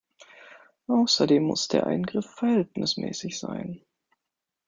Außerdem muss der Eingriff verhältnismäßig sein.